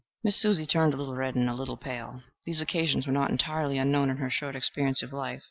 Miss Susie turned a little red and a little pale. These occasions were not entirely unknown in her short experience of life.